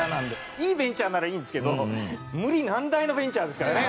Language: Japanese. いいベンチャーならいいんですけど無理難題のベンチャーですからね。